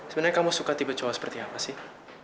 sebenarnya kamu suka tiba tiba seperti apa sih